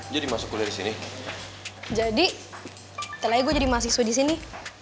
jadi nanti lagi gue jadi mahasiswa disini